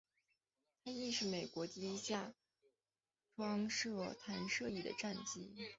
它亦是美国第一架装设弹射椅的战机。